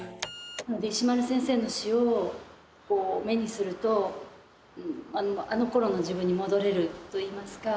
石丸先生の詩を目にするとあの頃の自分に戻れるといいますか。